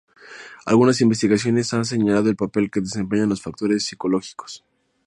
Algunas investigaciones han señalado el papel que desempeñan los factores psicológicos.